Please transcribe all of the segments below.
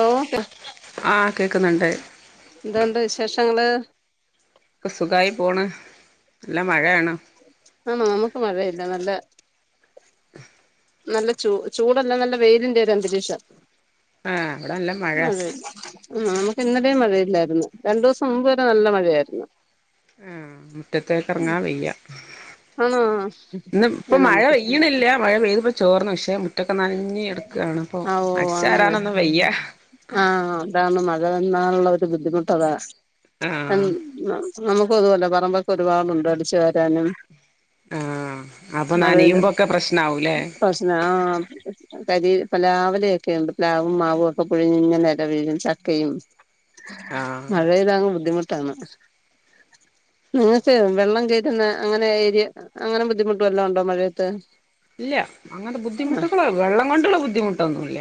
Okay ആഹ് കേക്കുന്നുണ്ട് എന്തുണ്ട് വിശേഷങ്ങള് ക്കെ സുഖയി പോണ് നല്ല മഴയാണ് ആണ നമുക്ക് മഴയില്ല നല്ല ഉ നല്ല ചൂ ചൂടല്ല നല്ല വെയിലിന്റെഒരു അന്തരീക്ഷം ആഹ് ഇവിടെ നല്ല മഴ മതെ മ് നമുക്കിന്നലിം മഴയില്ലായിരുന്നു. രണ്ടൂസം മുമ്പ് വരെ നല്ല മഴയായിരുന്നു. ആഹ് മുറ്റത്തേക്കെറ്ങ്ങാൻ വയ്യ. ആണോ ഇന്ന് ഇപ്പൊ ഏ, മഴ നമുക്ക് പെയ്യണില്ല മഴ പെയ്ത് പ്പോ ചോറുന്ന് ശെ മുറ്റൊക്കെ നൻഞ്ഞ് കെട്ക്കാണ്പ്പൊ ആ ഓ അങ്ങനെ അടിച്ചാരാനൊന്നും വയ്യ. ആഹ് അതാണ് മഴ വന്നാലുള്ള ഒരു ബുദ്ധിമുട്ടതാ എ ആഹ് ന നമുക്കതോലെ പറമ്പൊക്കെ ഒരുപാടുണ്ട് അടിച്ചു വരാനും ആഹ് അപ്പൊ നനയുമ്പൊക്കെ പ്രശ്നാവുല്ലേ? ന്നാം കരി പ്‌ലാവിലൊക്കെയുണ്ട് പ്‌ലാവും മാവും ഒക്കെ കൊഴിഞ്ഞിങ്ങനെ എല വീഴും ചക്കയും. ആഹ് മഴെയ്താങ് ബുദ്ധിമുട്ടാണ്. നിങ്ങൾക്ക് വെള്ളം കേറ്റുന്ന അങ്ങനെ യേരിയ അങ്ങനെ ബുദ്ധിമുട്ട് വല്ലോ ഉണ്ടോ മഴയത്ത്? ഇല്ല അങ്ങനെ ബുദ്ധിമുട്ടുകള് വെള്ള കൊണ്ടുള്ള ബുദ്ധിമുട്ടൊന്നൂല്ല.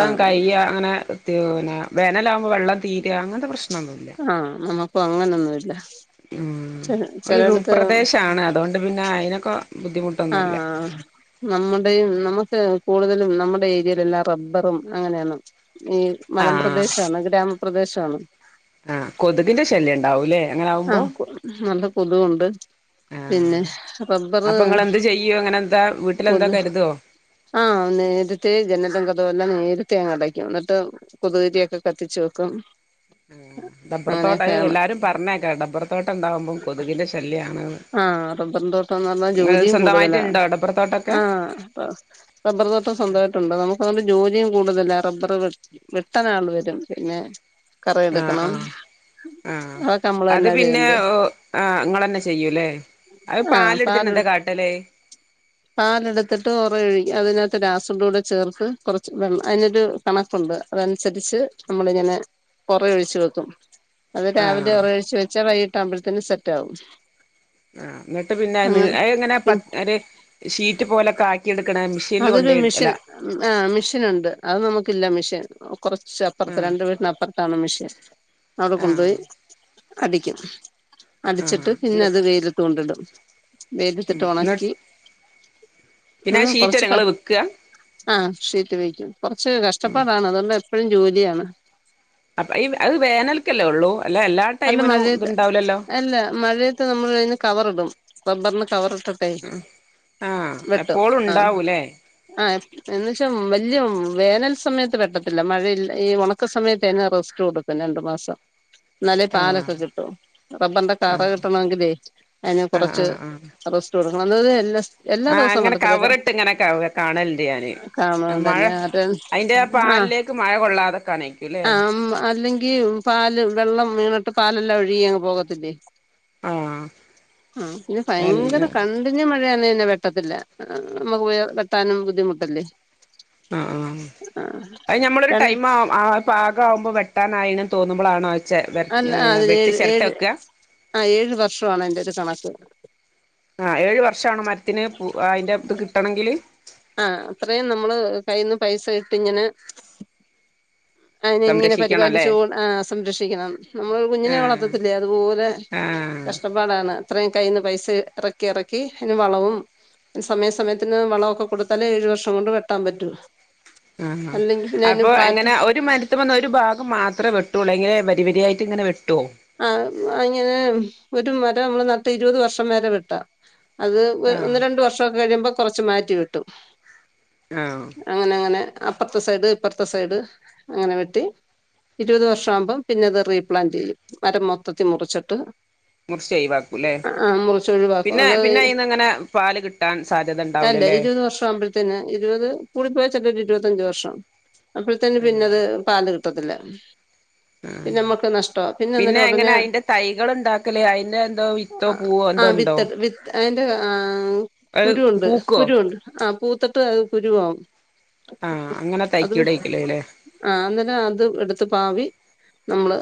ആ ആ കയ് യ അങ്ങനെ ത്യൂന വേനലാവുമ്പോ വെള്ളം തീര അങ്ങൻത്തെ പ്രശ്നൊന്നുല്ല. ആഹ് നമുക്കു അങ്ങനൊന്നുല്ല. ഉഹ് ഒരുറൂപ്രദേശാണ് അതോണ്ട് പിന്നെ അയിനൊക്കെ ബുദ്ധിമുട്ടൊന്നുല്ല ആഹ്. നമ്മുടെയും നമുക്ക് കൂടുതലും നമ്മുടെ ഏരിയയിലെല്ലാ റബ്ബറും അങ്ങനേണ്. ഈ ആഹ് മലംപ്രദേശാണ് ഗ്രാമപ്രദേശാണ്. ആഹ് കൊതുകിന്റെ ശല്യണ്ടാവൂല്ലേ? ആഹ് കൊതു നല്ല കൊതുകുണ്ട്. ആഹ് പിന്നെ റബ്ബറ് അപ്പൊ ഇങ്ങളെന്ത് ചെയ്യും അങ്ങനെ എന്താ വീട്ടിലെന്താ കൊത് കരുതോ ആഹ് നേരെത്തെ ജനതങ്കതോല നേരത്തേങ്ങട്ടഴക്കും. ന്നിട്ട് കൊതിരിയൊക്കെ കത്തിച്ചു വെക്കും. ഡബ്ബർത്തോട്ട അ് അങ്ങനെയൊക്കെയാണ് എല്ലാരും പറഞ്ഞേക്ക ഡബ്ബർത്തോട്ടണ്ടാവുമ്പോ കൊതുകിന്റെ ശല്ല്യാണ്. ആഹ് റബ്ബർതോട്ടംന്ന് പറഞ്ഞാ ജോലിയും കൂടുതലാ സ്വന്തമായിട്ടുണ്ടോ ഡബ്ബർത്തോട്ടൊക്കെ ആഹ് പ റബ്ബർതോട്ട സ്വന്തായിട്ടുണ്ട് നമുക്കതോണ്ട് ജോലിയും കൂടുതല റബ്ബർ വെ വെട്ടാനാൾ വരും പിന്നെ ആഹ് കറയെടുക്കണം ആഹ് ആഹ് അതൊക്കെ അത് നമ്മളെന്നെ പിന്നെ ചെയ്യന്ന ഓ ആഹ് ഇങ്ങളെന്നെ ചെയ്യൂല്ലേ? അത് ആഹ് പാലെടുത്തിട്ട് പാലു എന്താ കാട്ടല് പാലെടുത്തിട്ട് ഒറൊഴു അതിനകത്ത് രാസിഡ് കൂടെ ചേർത്ത് കൊറച്ച് വെള് അയിനൊരു കണക്കുണ്ട് അതനുസരിച്ച് നമ്മളിങ്ങനെ ഒറ ഒഴിച്ചു വെക്കും. അത് ആഹ് രാവിലെ ഒറഴ്ച് വെച്ച വൈകിട്ട് ആവുമ്പോത്തിനു സെറ്റാവും. ആഹ് ന്നിട്ട് പിന്നയ്ന്ന് അഇങ്ങനെ പ പി ഒരു ഷീറ്റ് പോലൊക്കാ ക്ക്ണ മിഷീനിൽ അതൊരു കൊണ്ടോയി അല്ല മിഷൻ ആഹ് മിഷനുണ്ട് അത് നമുക്കില്ല മിഷെൻ കൊറച്ച് അപ്പുറത്ത് ആഹ് രണ്ട് വീട്ടിന്നപ്പുറത്താണ് മെഷ്യൻ അവിടെ കൊണ്ടോയി ആഹ് അടിക്കും ആഹ് അടിച്ചിട്ട് എന്നി പിന്നത് വെയിലത്തൊണ്ടിടും. ഉം വെയിലത്തിട്ട് എന്നി ഒണക്കി പിന്നെ ആ ആഹ് കൊറച്ച് ഷീറ്റല്ലേ പെ നിങ്ങള് വിൽക്കുക ആ ഷീറ്റ് വെയ്ക്കും. കൊറച്ച് കഷ്ടപ്പാടാണ് അതോണ്ട് എപ്പഴും ജോലിയാണ്. അപ് ഈ അത് വേനൽക്കല്ലേ ഉള്ളൂ അല്ല എല്ലാ അല്ല ടൈമിനും മഴയത്ത് ഇത്ണ്ടാവില്ലല്ലോ? അല്ല മഴയ ത്ത് നമ്മളഴിന് കവറിടും റബ്ബറിന് കവറു ആഹ് ആഹ് എപ്പോളുണ്ടാവൂല്ലേ? ആഹ് എന്നുവച്ചൽ വല്ല്യ വേനൽ സമയത്ത് വെട്ടത്തില്ല. മഴയില് ഈ ഒണക്ക സമയത്തയ്ന് റസ്റ്റ് കൊട് പിന്നെ രണ്ടു മാസം ഇന്നാലെ ആഹ് പാലൊക്കെ കിട്ടൊ റബ്ബർന്റെ കറ ആഹ് കിട്ടണെങ്കിലെ അയ്ന് ആഹ് കൊറച്ച് ആഹ് ആഹ് റെസ് തുടങ്ങണംത് എല്ല എല്ലാ ആഹ് ദിവസം അങ്ങനെ കവറിട്ട് ഇങ്ങനെ കാണലണ്ട് ഞാന് മഴ കാണുന്നുണ്ടല്ലേ അത് അതിന്റെ ആ പാലിലേക്ക് മഴ കൊള്ളാതെ അം അല്ലെങ്കിൽ പാല് വെള്ളം വീണിട്ട് പാലെല്ലാം ഒഴുകിയങ് പോകത്തില്ലേ ആ ഇത് ഭയങ്കര ആഹ് കണ്ട കടിഞ്ഞ മഴയന്ന തന്നെ വെട്ടത്തില്ല നമുക്ക് വെട്ടാനും ബുദ്ധിമുട്ടല്ലേ ആ ആ ആഹ് അത് ഞമ്മളൊരു രൺ ടൈം ആ പാകമാവുമ്പോൾ വെട്ടാനായിനന്ന് തോന്ന്പോളാണോ അ അല്ല അതിേഴ് ഏഴ് ആ ഏഴ് വർഷമാണ് എന്റെറ ഒരു കണക്ക് ആ ഏഴ് വർഷമാണോ മരത്തിന് അതിന്റെ ഇത് കിട്ടണെങ്കില് ആഹ് അത്രയും നമ്മള് കയ്യിൽന്ന് പൈസ ഇട്ട് ഇങ്ങനെ അതിനെ ഇങ്ങനെ സംരക്ഷിക്കണം അല്ലേ പരിപാലിച്ചു ആ സംരക്ഷിക്കണം നമ്മൾ കുഞ്ഞിനെ ആഹ് വളർത്തത്തില്ലേ അതുപോലെ ആഹ് കഷ്ടപ്പാടാണ് അത്രയും കയ്യിൽന്ന് പൈസ ഇറക്കി ഇറക്കി അതിന് വളവും സമയ സമയത്തിന് വളമൊക്കെ കൊടുത്താലെ ഏഴു വർഷം കൊണ്ട് വൊട്ടാൻ പറ്റൂ ആ ഹാ അല്ലെങ്കിൽ പിന്നെ അതിന് അപ്പൊ ഫ്ലാറ്റ് എങ്ങനെ ഒരു മര [unintelligible] വന്ന ഒരു ഭാഗം മാത്രേ വെട്ടുവൊള്ളോ എങ്ങനെ വരിപരിായിട്ടിങ്ങനെ വെട്ടുവോ ആ അങ്ങനെ ഒരു മരം നമ്മള് നട്ട് ഇരുപത് വർഷം വരെ വിട്ടാം അത് ആഹ് ഒന്ന് രണ്ടു വർഷം ഒക്കെ കഴിയുമ്പോ കുറച്ച് മാറ്റി കിട്ടും ആഹ് അങ്ങനെ അങ്ങനെ അപ്പുറത്തെ സൈഡ് ഇപ്പുറത്തെ സൈഡ് അങ്ങനെ വെട്ടി ഇരുപത് വർഷം ആവുമ്പം പിന്നെ അത് റീപ്ലാന്റ് ചെയ്യും മരം മൊത്തത്തി മുറിച്ചിട്ട് മുറിച്ച് എഴുവാക്കൂല്ലേ ആ മുറിച്ച് ഒഴിവാക്കും പിന്നെ അത് പിന്നെ അന്ന ഇങ്ങനെ പാല് കിട്ട ട്ടാൻ സാധ്യത ഉണ്ടാവൂലല്ലേ തന്നെ ഇരുപത് കൂടിപ്പോയ ചെട്ടരു ഇരുപത്തഞ്ച് വർഷം അപ്പോഴത്തന്നെ ആഹ് പിന്നെത് പാല് കിട്ടത്തില്ല പിന്നെ നമ്മുക്ക് നഷ്ടമാ പിന്നെ എങ്ങനെ അയിന്റെ തൈകൾ ഉണ്ടാക്കലേ അതിറെ എന്തോ വിത്തോ ആ- പൂവോ ആ എന്തോ ഉണ്ടോ വിത്ത് വിത്ത് അതിന്റെ ആ അത് കുരുണ്ട് പൂക്കോ കുരുണ്ട് ആ പൂത്തട്ട് കുരുവാവും ആഹ് അങ്ങനെ തയ്ക്കി ഇടെക്കലേല്ലേ ആ അന്നരം അത് എടുത്ത് പാവി നമ്മള്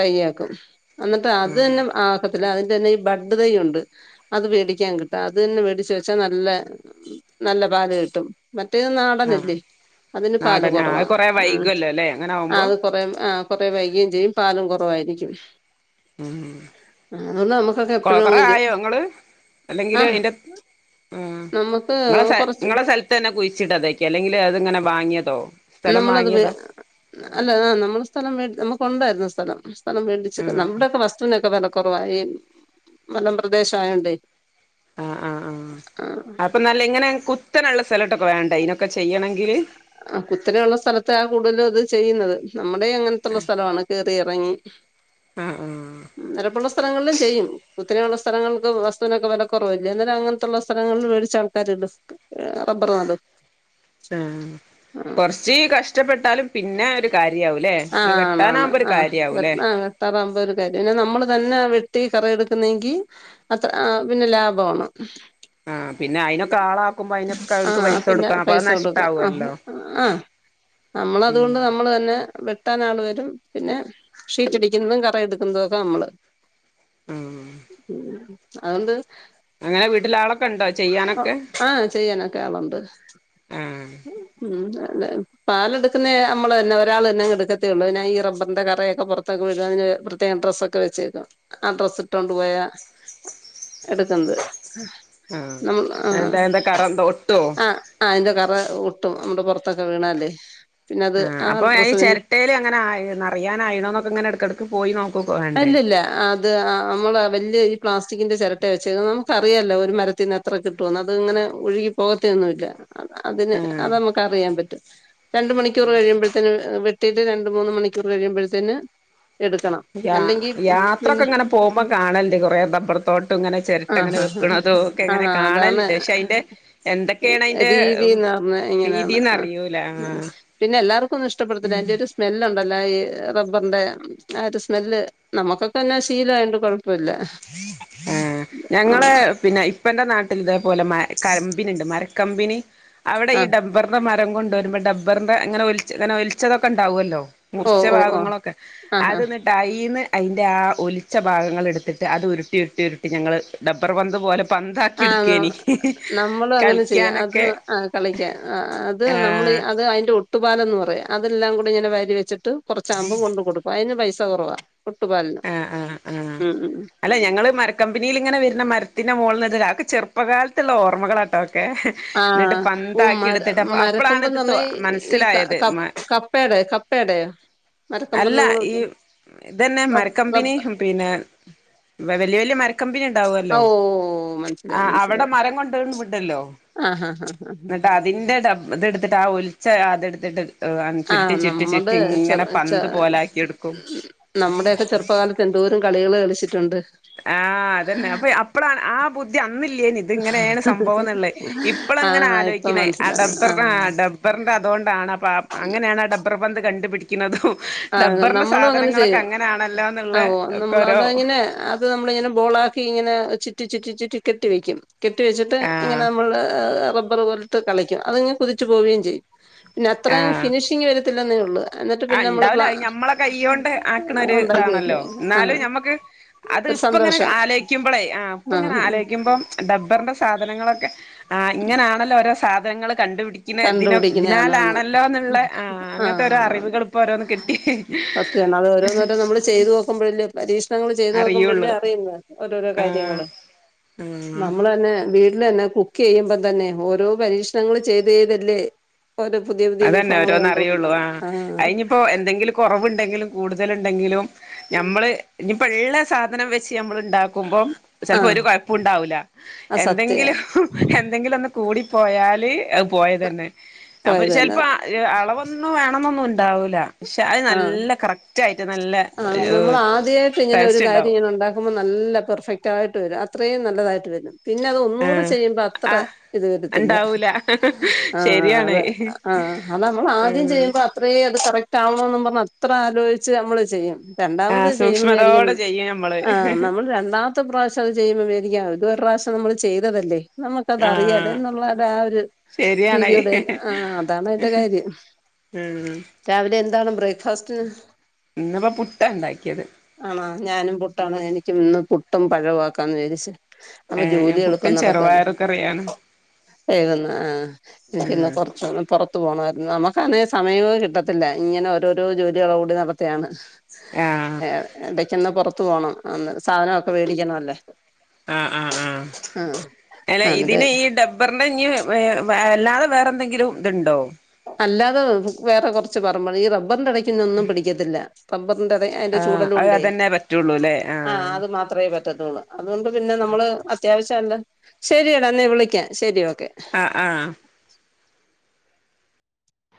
തയ്യക്കും എന്നിട്ട് അത് ആഹ് തന്നെ ആ അതിന്റെ തന്നെ ഈ ബഡ്തൈ ഉണ്ട് അത് വേടിക്കാൻ കിട്ടാ അത് തന്നെ മേടിച്ച വെച്ചാ നല്ല നല്ല പാല് കിട്ടും മറ്റേത് ആഹ് നാടനല്ലേ അതിന് പാല് നാടൻ ആഹ് കുറവാ അത് കൊറേ ഉം വൈകുവല്ലോ ല്ലേ അങ്ങനെ ആവുമ്പോ അത് കൊറേ ആ കുറ വൈകയും ചെയ്യും പാലും കുറവായിരിക്കും അതുകൊണ്ട് നമുക്കൊക്കെ എപ്പോഴും അങ്ങ് കോതറയോ ങ്ങള് അല്ലെങ്കിൽ ആ ഐന്റെ ഉം നമുക്ക് നിങ്ങളെ സ്ഥ കുറച്ച് നിങ്ങളെ സ്ഥ തന്നെ കുഴിച്ചിട്ട് അതൊക്ക അല്ലെങ്ക അത്ങ്ങനെ വാങ്ങിയതോ സ്ഥലം നമ്മളത് വ വാങ്ങിയതാ അല്ല ആഹ് നമ്മൾ സ്ഥലം നമുക്ക് ഉണ്ടായിരുന്നു സ്ഥലം സ്ഥലം മേടിച്ചിട്ട് ആഹ് നമ്മടുക്കെ വസ്തുവിനൊക്കെ വെല കുറവാ ഈ മലം പ്രദേശായോണ്ടെ ആഹ് ഇപ്പം നല്ല ഇങ്ങനെ കുത്തനുള്ള സ്ഥലട്ടൊക്കെ വേണ്ട ഇതിനൊക്കെ ചെയ്യണെങ്കിൽ ആഹ് കുത്തിനെയുള്ള സ്ഥലത്താ കൂടുതലും അത് ചെയ്യുന്നത് നമ്മുടെ അങ്ങനത്തുള്ള സ്ഥലമാണ് കേ ത്തി ഇറങ്ങി ആഹ് ആഹ് നെരപ്പുള്ള സ്ഥലങ്ങളിലും ചെയ്യും ഇത്ര ഉള്ള സ്ഥലങ്ങൾക്ക് വസ്തുവിനൊക്കെ വില കുറവല്ലേ അന്നേരം അങ്ങനെത്തുള്ള സ്ഥലങ്ങളിൽ മേടിച്ച ആൾക്കാരുണ്ട് ഏഹ് റബ്ബർ നടും ആഹ് കൊറച്ച് കഷ്ടപ്പെട്ടാലും പിന്നെ ഒരു കാര്യയാവുലെ ആ വെട്ടാനാവുമ്പോ ഒരു കാര്യയാവും ല്ലേ തറാൻ പോ ഒരു കാര്യം പിന്നെ നമ്മള് തന്നെ വെട്ടി കറ എടുക്കുന്നെങ്കിൽ അത്ര ആഹ് പിന്നെ ലാഭമാണ് ആഹ് പിന്നെ അയിനൊക്കെ ആളെ ആക്കുമ്പോ അയിനൊക്കെ ആ അവൽക്ക് പൈസ പിന്നെ കൊടുക്കണം അപ്പൊ അത് പൈസ നഷ്ടവൊല്ലോ നമ്മള് അതുകൊണ്ട് നമ്മള് തന്നെ വെട്ടാൻ ആള് വരും പിന്നെ ഷീറ്റ് അടിക്കുന്നതും കറ എടുക്കുന്നതും ഒക്കെ നമ്മള് ഉം ഉം ഉം അതോണ്ട് അങ്ങനെ വീട്ടിലെ ആളെ ക്കെ ഇണ്ടോ ചെയ്യാൻ ആഹ് ചെയ്യാനൊക്കെ ആളുണ്ട് ഉം ഉം അതന്നെ പാലെടുക്കുന്നേ നമ്മള് തന്നെ ഒരാള് തന്നെ എടുക്കത്തള്ളു പിന്നെ ഈ റബറിന്റെ കറയൊക്കെ പുറത്ത് [unintelligible] പ്രത്യേക ഡ്രസ്സ് ഒക്കെ വെച്ച് ആ ഡ്രസ്സ് ഇട്ടൊണ്ട് പോയാ എടുക്ക്ന്നത് ആഹ് നമ്മ ആഹ് എന്താ എന്താ കറ എന്താ ഒട്ടോ ആഹ് ആഹ് അതിന്റെ കറ ഒട്ടും നമ്മുടെ പുറത്തൊക്കെ വീണാല് പിന്നെ അത് ആ ഡ്രസ്സ് പിന്നെ ചെരട്ടയിൽ അങ്ങനെ ആ നെറയാനായിണോ ന്നൊക്കെ ഇങ്ങനെ എടക്കട ക്ക് പോയി നോക്കൊക്കെ വേണം അല്ലല്ല ആ അത് ആ നമ്മള് വല്ല്യ ഈ പ്ലാസ്റ്റിക്കിന്റെ ചിരട്ട വെച്ച് നമുക്ക് അറിയാല്ലോ ഒരു മരത്തിന് എത്ര കിട്ടോന്ന് അത് ഇങ്ങനെ ഒഴുകി പോകത്തെ ഒന്നൂല്ല അ അതിന് ആഹ് അത് നമുക്ക് അറിയാൻ പറ്റും രണ്ട് മണിക്കൂർ കഴിയുമ്പ ത്തിന് വെട്ടിട്ട് രണ്ട് മൂന്ന് മണിക്കൂർ കഴിയുമ്പോഴത്തേന് എടുക്കണം യാ അല്ലെങ്കിൽ പിന്നെ യാത്രൊക്കെ ഇങ്ങനെ പോകുമ്പോ കാണല്ണ്ട് കൊറേ ടബ്ബർത്തോട്ടും ഇങ്ങനെ ചിരട്ട ആഹ് ഇങ്ങനെ ആഹ് ആഹ് വെക്കണതും ഒക്കെ ഇങ്ങനെ ആഹ് അതാണ് കാണലുണ്ട് പക്ഷെ അതിന്റെ എന്തൊക്കെയാണ് അതിന്റെ രീതിന്ന് പറഞ്ഞ ഇങ്ങനെയാണ് രീതിന്ന് ആഹ് അറിയൂല ഉം ആഹ് പിന്നെ എല്ലാർക്കും ഒന്നും ഇഷ്ടപ്പെടത്തില്ല അതിന്റെ ഒരു സ്മെല്ല് ഉണ്ടല്ലോ ആ ഈ റബ്ബറിന്റെ ആ ഒരു സ് സ്മെല്ല് നമുക്കൊക്കെന്നെ ശീലയോ ണ്ട് കുഴപ്പമില്ല ആഹ് ആഹ് ഞങ്ങളെ പിന്നെ ഇപ്പന്റെ നാട്ടിൽ ഇതേപോലെ മ കം മ്പിനിണ്ട് മരക്കമ്പിനി അവിടെ ഈ ആഹ് ടബ്ബർ ഔടെ മരം കൊണ്ട് വരുമ്പോ ടബ്ബറിന്റെ ഇങ്ങനെ ഒലിച് ഇങ്ങനെഒലിച്ചത് ഒക്കെ ഇണ്ടാവൊല്ലോ ഓ മുറിച്ച ഓ ഓ ഭാഗങ്ങളൊക്കെ ആഹ് അത് ഇന്നിട്ട് അയിന്ന് അയിന്റെ ആ ഒലിച്ച ഭാഗങ്ങള് എടുത്തി ട്ട് അത് ഉരുട്ടി ഉരുട്ടി ഉരുട്ടി ഞങ്ങള് ടബ്ബർ പന്ത് പോലെ പന്താക്കി ആന്നോ എടുക്കേനി നമ്മളും അങ്ങനെ ചെയ്യാ അത് കളിക്കാനൊക്കെ ആഹ് കളിക്കാൻ ആഹ് അത് നമ്മൾ ആഹ് അത് അയിന്റെ ഒ ട്ടുപ്പാല് എന്ന് പറയാ അതെല്ലാം കൂടി ഇങ്ങനെ വാരി വെച്ചിട്ട് കുറച്ച് ആകുമ്പോ കൊണ്ടു കൊടുക്കും അയിന് പൈസ കുറവാ ഒട്ടുപാലിന് ആഹ് ആഹ് ആഹ് ഉം ഉം അല്ല ഞങ്ങള് മരക്കമ്പനിയിൽ ഇങ്ങനെ വരുന്ന മരത്തിന്റെ മോളിന്ന്ട്ത് അതൊക്ക ചെറുപ്പകാലത്തുള്ള ഓർമകളാട്ടോ അതൊക്കെ ആഹ് ഉം മര അപ്പളാണ് ഇത് മരക്കൊമ്പന്ന് തോ പറഞ്ഞാ ഈ ക മനസ്സിലായത് ക മ കപ്പയുടെ ക കപ്പേടെ അല്ല ഈ ഇതെന്നെ മര റബ് ക്കമ്പിനി റബ്ബ് പിന്നെ വല്യ വല്യ മര ക്കമ്പിനി ഓ ഉണ്ടാവല്ലോ മനസ്സിലായി ആഹ് അവിടെ മനസ്സിലായി മരം കൊണ്ടുവരുമ്പണ്ടല്ലോ ആഹ് ആഹ് ആഹ് എന്നിട്ട് അതിന്റെ ടബ്ബ ഇത് എടുത്തിട്ട് ആ ഒലിച്ച അതെടുത്തിട്ട് ആഹ് ചുരുട്ടി ചുരുട്ടി ചുരിട്ടി നമ്മുടെ ഇങ്ങനെ ചെറു ചെ പന്ത് പോലെ ആക്കി എടുക്കും അപ്പൊ എന്തോരും കളികൾ കളിച്ചിട്ടുണ്ട് ആഹ് അതന്നെ അപ്പൊ അപ്പളാണ് ആ ബുദ്ധി അന്നില്ലേനി ഇതിങ്ങനെയാണ് സംഭവം എന്നുള്ളെ ഇപ്പള് അങ്ങനെ ആഹ് ഇപ്പൊ ആലോയിക്കണേ ട മനസ്സിലാന്ന് ബ്ബറി ആഹ് ടബ്ബറിന്റെ അതുകൊണ്ടാണ് പ അങ്ങനെ ആണ് ആ ടബ്ബർ പന്ത് കണ്ടുപിടി ക്ക്ണ് ആഹ് ടബ്ബറിന്റെ നമ്മളും അങ്ങനെ ചെയ്യും സാധനങ്ങളൊക്കെ അങ്ങനെയാണല്ലോ എന്നുള്ള ആ ഓ ഒക്കെ നമ്മള് ഓരോ അതങ്ങനെ അത് നമ്മളിങ്ങനെ ബോളാക്കി ഇങ്ങനെ ചുറ്റി ചുറ്റി കെട്ടി വെക്കും കെട്ടിവെച്ചിട്ട് ഇങ്ങനെ ആഹ് നമ്മള് റബ്ബർ പോലട്ട് കളിക്കും അതിങ്ങനെ കുതിച്ചു പോവുകയും ചെയ്യും പിന്നെ അത്രയും ആഹ് ഫിനിഷിംഗ് വരത്തില്ലന്നേ ഉള്ളൂ എന്നിട്ട് പിന്നെ നമ്മള് ല്ല പ്ലാ മ്മളെ കൈയ്യോണ്ട് ആക്കണ ആഹ് ഒരു ഉണ്ടാക്കിയല്ലേ ഇതാണല്ലോ എന്നാലും ആഹ് ഞമ്മക്ക് അത് ഒരു ഇപ്പ ഇങ്ങനെ സന്തോഷം ആലോയിക്കുമ്പോളേ ആ ഇപ്പ ഇങ്ങനെ ആഹ് ആലോയിക്കുമ്പം ഡബർന്റെ സാധനങ്ങളൊക്കെ ആ ഇങ്ങനാണല്ലോ ഓരോ സാധനങ്ങള് കണ്ടുപിടിക തിന് തിന് കണ്ടുപിടിക്കുന്നതാണോന്ന് ഇതിനാലാണല്ലോ ന്ന്ള്ള ആങ്ങത്തെ ഒരോ ആഹ് അറിവ്. ങ്ങള് പോരോന്ന് കിട്ടി ചെയ്ത് നോക്കുമ്പോഴേല്ലെ പരീക്ഷണങ്ങള് ചെയ്ത് നോക്കുമ്പോഴല്ലേ അറിയുള്ളു അറിയുന്ന ഓരോരോ ആഹ് കാര്യങ്ങള്. ആഹ് നമ്മളന്നെ വീട്ട്ലെന്നെ കുക്ക് യ്യുമ്പ തന്നെ ഓരോ പരീഷ്ണങ്ങൾ ചെയ്തതല്ലേ ഓരോ പുതിയ പുതിയ അതന്നെ വിഭവങ്ങൾ ഓരോന്ന് കണ്ടുകൊണ്ടിരിക്കാണ് ആഹ് കൊറവ്ണ്ടെങ്കിലും കൂടുതല്ണ്ടെങ്കിലും ഞമ്മള് ഇനിപ്പോ ള്ള സാധനം വെച്ച് ഞമ്മള് ണ്ടാക്കും. കുമ്പോ ചെൽപ്പോ ആഹ് ഒരു കൊയപൊണ്ടാവൂല്ല അത് സത്യവാ എന്തെങ്കിലും എന് ന്തെങ്കിലു ഒന്ന് കൂടി പോയാല് അഹ് പോയ തെന്നെ. പ്പ പോയത് തന്നെ ചെൽപ്പാ ഈ അളവൊന്നും വേണന്നൊന്നും ണ്ടാവൂല. ഷെ അഹ് ആഹ് നല്ലെ കറക്റ്റ് ആയിട്ട് നല്ല ആഹ് യോ ടേസ്റ്റ് ണ്ടാവും. മ്പോ നല്ല പെർഫെക്റ്റ് ആയിട്ട് വരും അത്രയും നല്ലതായിട്ട് വെര് പിന്നെ അത് ആ ഒന്നുടെ ചെയ്യുമ്പോ അത്ര ആ ഇത് വരുത്തില്ല ഉണ്ടാവൂല ആ ശരിയാണ് അതെ ആ അത് അമ്മള് ആദ്യം ഉം ചെയ്യുമ്പോ അത്രേ അത് കറക്റ്റ് ആവണോന്ന് പർണ് അത്ര ആലോയ്ച്ച് അമ്മള് ചെയ്യും. ആ രണ്ടാമത് ചെയ്യുമ്പോ വിചാരിക്കും സൂക്ഷ്മതയോടെ ചെയ്യും ആ ഞമ്മള് നമ്മള് രണ്ടാ ത്ത് പ്രാശ്യം അത് ചെയ്യുമ്പോവിചാരിക്കു അത് ഒര് റാഷ്യം നമ്മള് ചെയ്തതല്ലേ. നമുക്കത്റിയാലേ ആഹ് എന്നുള്ള താ ആ ഒര് ശരിയാണ് രീവിയോട് ആ അതാണ് അയ്ന്റെ കാര്യം. ഉം രാവിലെ എന്താണ് ബ്രേക്ക്ഫാസ്റ്റ് ന്നപ്പ പുട്ടണ്ടാക്ക്യത്. ആണാ ഞാനും പുട്ടാണ് എനിക്കും ഇന്ന് പുട്ടും പഴവും ആക്കാന്ന് ചാരിച് മ്പോ ജോലി [unintelligible] ചെറ് വായറ്ക്കറിയാണ്. എഴതുന്ന ആ എനിക്കിന്ന് ഉം കൊറചോ പൊറത്തു പോണയിരുന്നു നമക്ക്ആന്നെ സമയവു കിട്ടത്തില്ല ഇങ്ങനെ ഓരോരോ ജോലികളോ ഓടി നടത്തിയാണ്. ആഹ് ഏ എടയ്ക്കന്ന് പൊറത്തു പോണം സാനോക്കെ മേടിക്കണ അല്ലേ. ആ ആ ആഹ് ഏ എന്നിട്ട് ഇതിന് ഈ ഡ ബർ ണ്ടെ ഇഞ്ഞ് വെ വേ അല്ലാതെ വേറെ എന്തെങ്കിലും ത്ണ്ടോ? അല്ലാതെ വേറെ കൊറച്ച് പറമ്പണ് ഈ റബ്ബർണ്ടെ എടയ്ക്ക് ഇത് ഒന്നും പിടിക്കത്തില്ല. റബ്ബർണ്ടെ അതെ അയിന്റെ ആഹ് ചൂടലു അത് കൊണ്ടേ അതന്നെ പറ്റുള്ളൂ അല്ലേ ആ ആഹ് അത് മാ അത്രേ പറ്റത്തുള്ള് അതോണ്ട് പിന്നെ നമ്മള് അത്യാവശ്യം ണ്ട് ശെരിയടാ എന്നീ വിളിക്ക ശെരി ഓക്കെ. ആ ആ